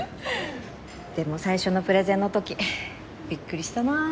でも最初のプレゼンのときびっくりしたなぁ。